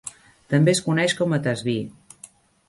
També es coneix com a tasbih.